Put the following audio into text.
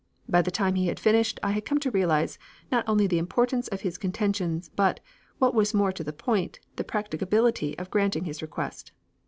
By the time he had finished I had come to realize, not only the importance of his contentions, but, what was more to the point, the practicability of granting his request.